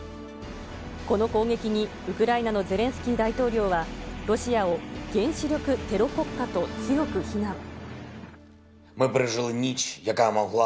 この攻撃にウクライナのゼレンスキー大統領は、ロシアを原子力テロ国家と強く非難。